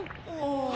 あ。